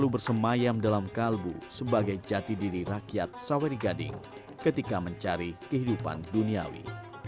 bersemayam dalam kalbu sebagai jati diri rakyat saweri gading ketika mencari kehidupan duniawi